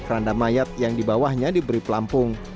keranda mayat yang di bawahnya diberi pelampung